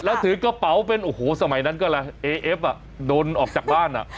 แล้วถือกระเป๋าเป็นโอ้โหสมัยนั้นก็ละเอเอฟอ่ะโดนออกจากบ้านอ่ะ